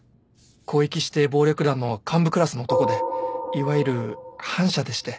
広域指定暴力団の幹部クラスの男でいわゆる反社でして。